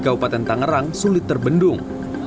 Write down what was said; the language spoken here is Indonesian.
kabupaten tangerang sulit terbendung